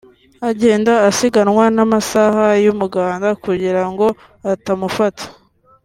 agenda asiganwa n’amasaha y’umuganda kugira ngo atamufata